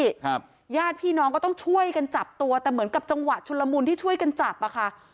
ครับญาติพี่น้องก็ต้องช่วยกันจับตัวแต่เหมือนกับจังหวะชุนละมุนที่ช่วยกันจับอ่ะค่ะ